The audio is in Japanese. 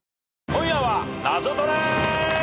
『今夜はナゾトレ』！